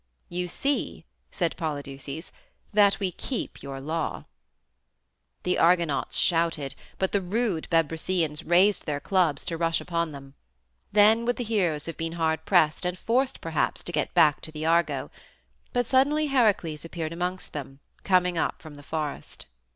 "You see," said Polydeuces, "that we keep your law." The Argonauts shouted, but the rude Bebrycians raised their clubs to rush upon them. Then would the heroes have been hard pressed, and forced, perhaps, to get back to the Argo. But suddenly Heracles appeared amongst them, coming up from the forest.